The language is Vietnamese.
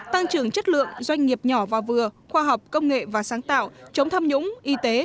tăng trưởng chất lượng doanh nghiệp nhỏ và vừa khoa học công nghệ và sáng tạo chống tham nhũng y tế